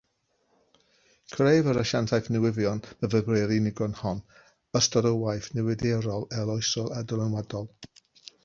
Creodd yr asiantaeth newyddion myfyrwyr unigryw hon ystod o waith newyddiadurol arloesol a dylanwadol.